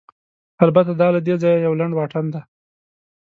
البته، دا له دې ځایه یو لنډ واټن دی.